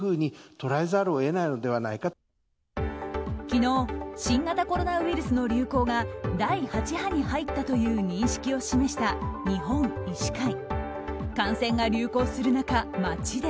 昨日新型コロナウイルスの流行が第８波に入ったという認識を示した日本医師会。